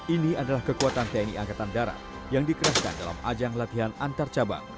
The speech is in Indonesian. ini adalah kekuatan tni angkatan darat yang dikerahkan dalam ajang latihan antar cabang